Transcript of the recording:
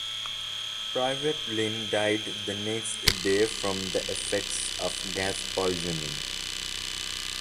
Private Lynn died the next day from the effects of gas poisoning.